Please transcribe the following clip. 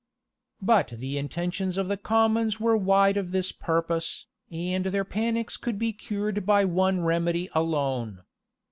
But the intentions of the commons were wide of this purpose, and their panics could be cured by one remedy alone.